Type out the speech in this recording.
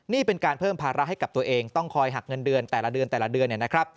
นี่เป็นการเพิ่มภาระให้กับตัวเองต้องคอยหักเงินเดือนแต่ละเดือน